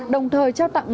đồng thời trao tặng